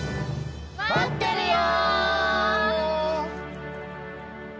待ってるよ！